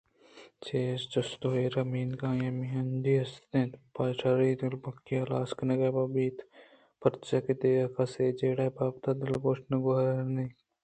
چست ءُایرے مئیگءُآئی ءِمیانجی ءَاست اِنت پہ شرّی ءُدل پہکی ہلاس کنگ بہ بیت پرچاکہ دگہ کس اے جیڑہ ءِ بابتءَ دلگوش گوٛر کنگ ءَ نہ اِنت